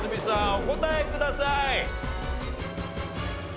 お答えください。